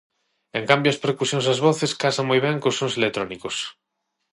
En cambio, as percusións e as voces casan moi ben cos sons electrónicos.